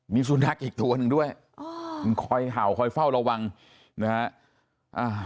มีสุนัขอีกตัวหนึ่งด้วยอ๋อมันคอยเห่าคอยเฝ้าระวังนะฮะ